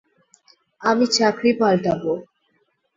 আমি চাকরি পাল্টাবো।